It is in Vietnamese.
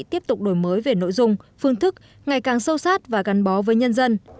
tiếp tục đổi mới về nội dung phương thức ngày càng sâu sát và gắn bó với nhân dân